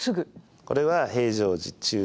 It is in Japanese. これは「平常時」「注意」